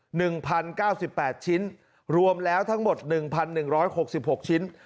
หนึ่งพันเก้าสิบแปดชิ้นรวมแล้วทั้งหมดหนึ่งพันหนึ่งร้อยหกสิบหกชิ้น